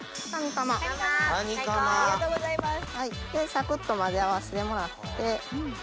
サクっと混ぜ合わせてもらって。